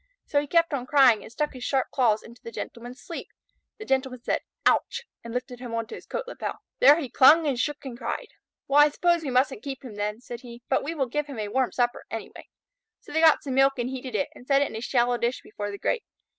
So he kept on crying and stuck his sharp claws into the Gentleman's sleeve. The Gentleman said "Ouch!" and lifted him on to his coat lapel. There he clung and shook and cried. "Well, I suppose we mustn't keep him then," said he; "but we will give him a warm supper anyway." So they got some milk and heated it, and set it in a shallow dish before the grate.